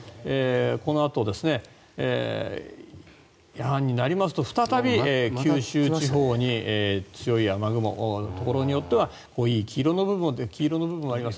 このあと夜半になりますと再び、九州地方に強い雨雲、ところによっては濃い黄色の部分があります。